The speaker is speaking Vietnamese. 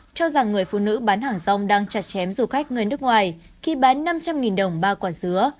cho rằng người phụ nữ bán hàng rong đang chặt chém du khách người nước ngoài khi bán năm trăm linh đồng ba quả sứa